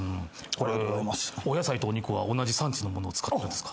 お野菜とお肉は同じ産地のものを使ってるんですか？